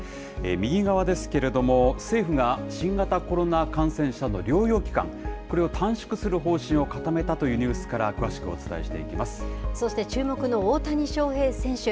右側ですけれども、政府が新型コロナ感染者の療養期間、これを短縮する方針を固めたというニュースから詳しくお伝えしてそして注目の大谷翔平選手。